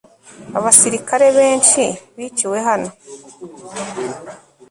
abasirikare benshi biciwe hano